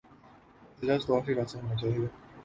احتجاج تو آخری راستہ ہونا چاہیے۔